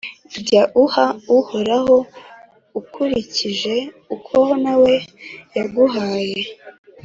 Jya uha Uhoraho ukurikije uko na we yaguhaye,